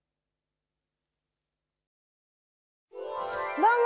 どうも！